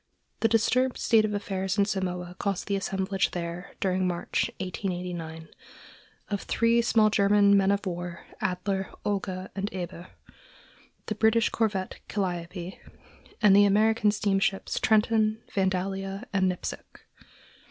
The disturbed state of affairs in Samoa caused the assemblage there, during March, 1889, of three small German men of war, Adler, Olga, and Eber, the British corvette Calliope, and the American steamships Trenton, Vandalia and Nipsic.